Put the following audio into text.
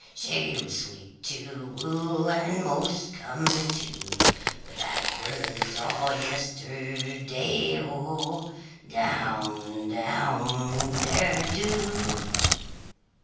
She was sweet to woo and most comely, too, But that was all yesterday O! Down, down, derry do!